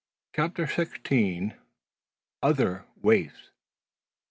CHAPTER SIXTEEN. OTHER WAIFS.